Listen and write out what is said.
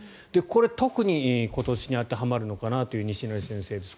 特に今年に当てはまるのかなという西成先生です。